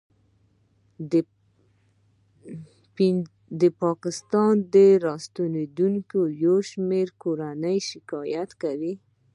ه پاکستان څخه راستنېدونکې یو شمېر کورنۍ شکایت کوي